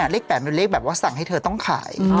เลข๘เป็นเลขแบบว่าสั่งให้เธอต้องขาย